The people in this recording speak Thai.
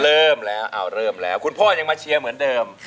เริ่มแล้วเริ่มแล้วคุณพ่อยังมาเชียร์เหมือนเดิม